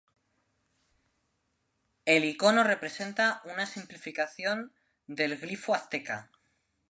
El ícono representa una simplificación del glifo azteca.